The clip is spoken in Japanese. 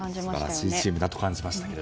素晴らしいチームだと感じました。